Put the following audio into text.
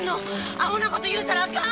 アホな事言うたらあかん！